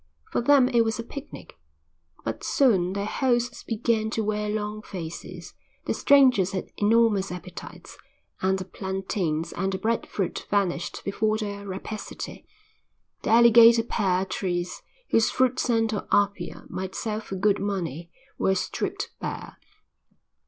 For them it was a picnic. But soon their hosts began to wear long faces; the strangers had enormous appetites, and the plantains and the bread fruit vanished before their rapacity; the alligator pear trees, whose fruit sent to Apia might sell for good money, were stripped bare.